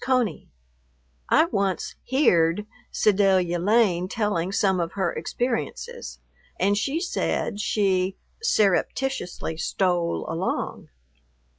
CONEY, ... I once "heared" Sedalia Lane telling some of her experiences, and she said she "surreptitiously stole along."